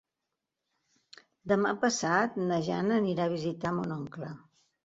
Demà passat na Jana anirà a visitar mon oncle.